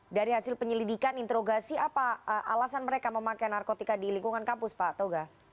dari hasil penyelidikan interogasi apa alasan mereka memakai narkotika di lingkungan kampus pak toga